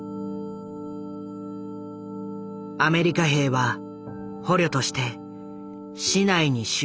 アメリカ兵は捕虜として市内に収容されていた。